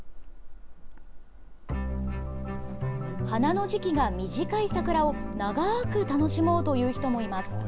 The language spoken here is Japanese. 花の時期が短い桜を長ーく楽しもうという人もいます。